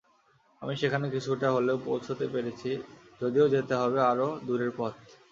আমি সেখানে কিছুটা হলেও পৌঁছতে পেরেছি, যদিও যেতে হবে আরও দূরের পথ।